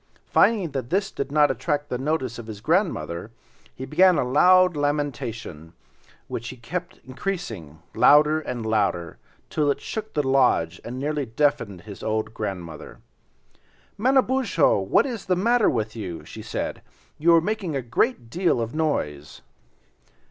Finding that this did not attract the notice of his grandmother, he began a loud lamentation, which he kept increasing, louder and louder, till it shook the lodge and nearly deafened the old grandmother. "Manabozho, what is the matter with you?" she said, "you are making a great deal of noise."